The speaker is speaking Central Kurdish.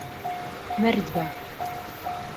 مەرد بە.